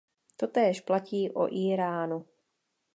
Totéž platí o Íránu.